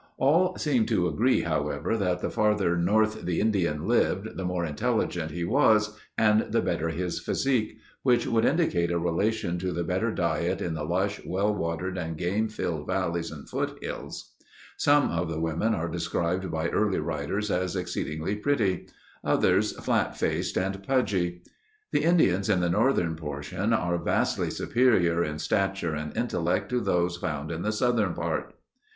Vol. 3.) All seem to agree however, that the farther north the Indian lived, the more intelligent he was and the better his physique—which would indicate a relation to the better diet in the lush, well watered and game filled valleys and foothills. Some of the women are described by early writers as "exceedingly pretty." Others, "flat faced and pudgy." "The Indians in the northern portion ... are vastly superior in stature and intellect to those found in the southern part." (Hubbard, Golden Era, 1856.)